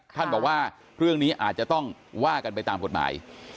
ท่านบอกว่าเรื่องนี้อาจจะต้องว่ากันไปตามกฎหมาย